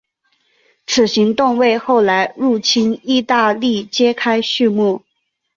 此行动为后来入侵义大利揭开续幕。